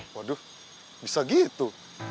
waduh bisa gitu